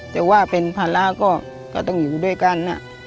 แต่ว่าเป็นภาระก็ต้องอยู่ด้วยกัน